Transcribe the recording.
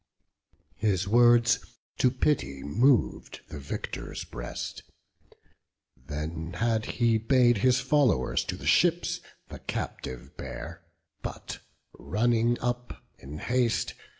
His words to pity mov'd the victor's breast; Then had he bade his followers to the ships The captive bear; but running up in haste.